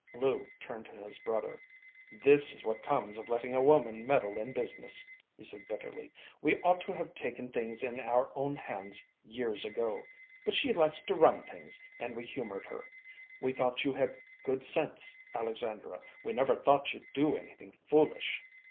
Lou turned to his brother. "This is what comes of letting a woman meddle in business," he said bitterly. "We ought to have taken things in our own hands years ago. But she liked to run things, and we humored her. We thought you had good sense, Alexandra. We never thought you'd do anything foolish."